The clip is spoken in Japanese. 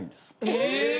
え！